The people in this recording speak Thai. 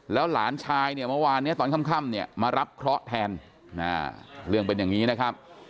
แล้วหลานชายเนี่ยเมื่อวานเนี่ยตอนค่ำเนี่ยมารับเคราะห์แทนเรื่องเป็นอย่างนี้นะครับ